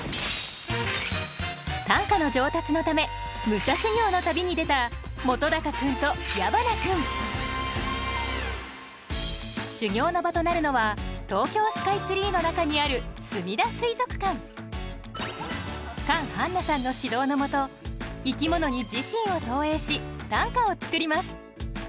短歌の上達のため武者修行の旅に出た本君と矢花君修行の場となるのは東京スカイツリーの中にあるカン・ハンナさんの指導の下生き物に自身を投影し短歌を作ります。